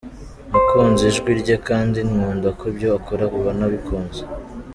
Nakunze ijwi rye, kandi nkunda ko ibyo akora ubona abikunze".